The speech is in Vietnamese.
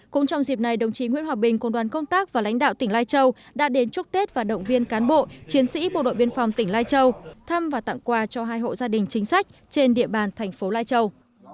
cũng trong dịp này đồng chí nguyễn hòa bình cùng đoàn công tác và lãnh đạo tỉnh lai châu đã đến chúc tết và động viên cán bộ chiến sĩ bộ đội biên phòng tỉnh lai châu thăm và tặng quà cho hai hộ gia đình chính sách trên địa bàn thành phố lai châu